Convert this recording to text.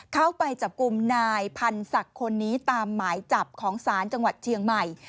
เข้าไปจับกลุ่มนายพันธุ์ศักดิ์คนนี้ตามหมายจับของศาลจังหวัดเชียงใหม่